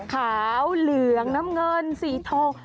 ขาวเหลืองน้ำเงินสีทอง